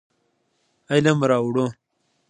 علم راوړو.